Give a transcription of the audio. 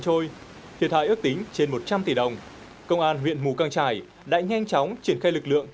thiệt hại ước tính trên một trăm linh tỷ đồng công an huyện mù căng trải đã nhanh chóng triển khai lực lượng